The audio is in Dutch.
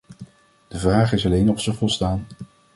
De vraag is alleen of ze volstaan.